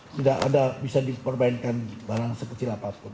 tidak ada yang bisa diperbainkan barang sekecil apapun